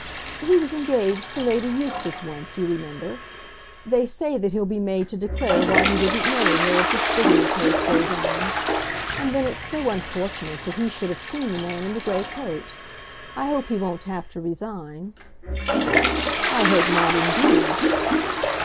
"He was engaged to Lady Eustace once, you remember. They say that he'll be made to declare why he didn't marry her if this bigamy case goes on. And then it's so unfortunate that he should have seen the man in the grey coat; I hope he won't have to resign." "I hope not, indeed."